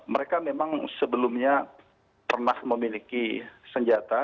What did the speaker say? mereka memang sebelumnya pernah memiliki senjata